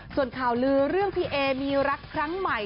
ส่วนข่าวลือเรื่องพี่เอมีรักครั้งใหม่